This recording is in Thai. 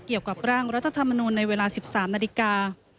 เกี่ยวกับร่างรัฐธรรมนูลในเวลา๑๓นาฬิกา